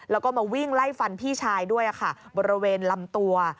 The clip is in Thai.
แล้วก็มาวิ่งไล่ฟันพี่ชายด้วยค่ะบริเวณลำตัว